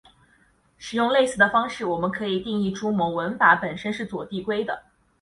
使用类似的方式我们可以定义出某文法本身是左递归的。